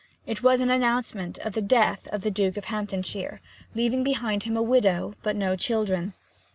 It was an announcement of the death of the Duke of Hamptonshire, leaving behind him a widow, but no children.